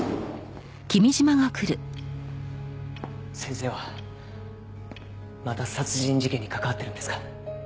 先生はまた殺人事件に関わってるんですか？